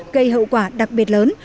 gây hậu quả đặc biệt lớn